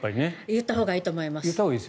言ったほうがいいと思います。